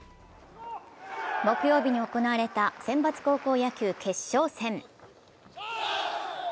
木曜日に行われた選抜高校野球決勝戦。